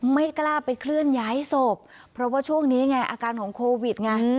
ไม่กล้าไปเคลื่อนย้ายศพเพราะว่าช่วงนี้ไงอาการของโควิดไง